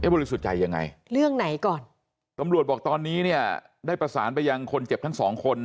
บริสุทธิ์ใจยังไงเรื่องไหนก่อนตำรวจบอกตอนนี้เนี่ยได้ประสานไปยังคนเจ็บทั้งสองคน